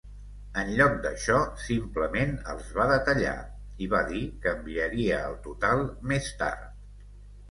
En lloc d'això, simplement els va detallar, i va dir que enviaria el total més tard.